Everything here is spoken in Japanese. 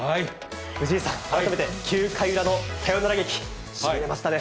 藤井さん、改めて９回裏のサヨナラ劇、しびれましたね。